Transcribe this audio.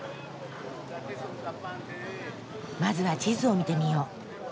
まずは地図を見てみよう。